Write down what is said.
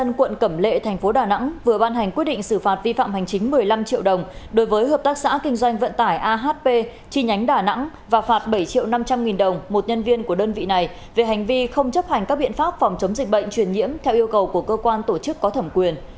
công an quận cẩm lệ thành phố đà nẵng vừa ban hành quyết định xử phạt vi phạm hành chính một mươi năm triệu đồng đối với hợp tác xã kinh doanh vận tải ahp chi nhánh đà nẵng và phạt bảy triệu năm trăm linh nghìn đồng một nhân viên của đơn vị này về hành vi không chấp hành các biện pháp phòng chống dịch bệnh truyền nhiễm theo yêu cầu của cơ quan tổ chức có thẩm quyền